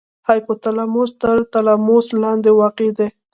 هایپو تلاموس تر تلاموس لاندې واقع دی.